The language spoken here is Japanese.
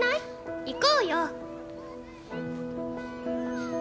行こうよ。